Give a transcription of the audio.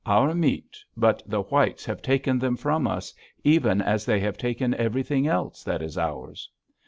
Our meat, but the whites have taken them from us, even as they have taken everything else that is ours!"